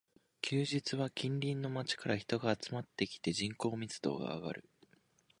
休日は近隣の街から人が集まってきて、人口密度が上がる